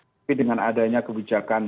tapi dengan adanya kebijakan